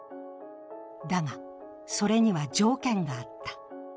だが、それには条件があった。